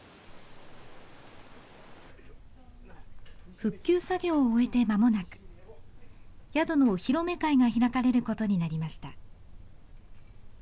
復旧作業を終えて間もなく宿のお披露目会が開かれることになりました。